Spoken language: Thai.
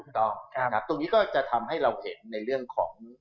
ตรงนี้ก็จะทำให้เราเห็นในเรื่องของ